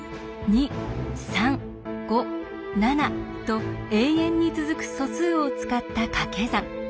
２３５７と永遠に続く素数を使った掛け算。